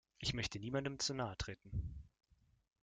Ich möchte niemandem zu nahe treten.